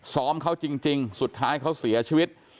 ซ้อมเขาจริงสุดท้ายเขาเสียชีวิต